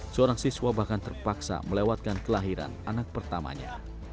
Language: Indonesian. seorang siswa bahkan terpaksa melewatkan kelahiran anak pertamanya